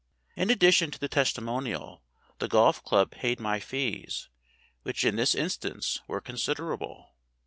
In addition to the testimonial the golf club paid my fees, which in this instance were considerable.